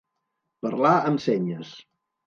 Parlar amb senyes.